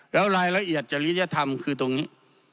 แล้วรายละเอียดจริยธรรมคือตรงนี้